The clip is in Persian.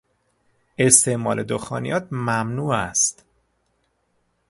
استعمال دخانیات ممنوع است!